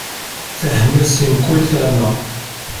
Tehmel seg mkul tama.